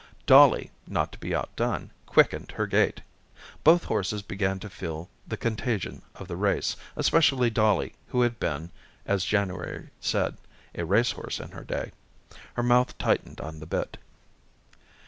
Dollie, not to be outdone, quickened her gait. Both horses began to feel the contagion of the race, especially Dollie who had been, as January said, a race horse in her day. Her mouth tightened on the bit.